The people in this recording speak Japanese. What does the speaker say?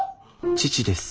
父です。